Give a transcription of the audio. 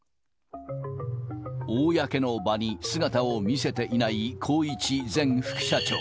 公の場に姿を見せていない宏一前副社長。